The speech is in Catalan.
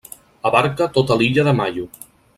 Abarca tota l'illa de Maio.